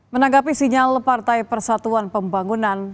menanggapi sinyal partai persatuan pembangunan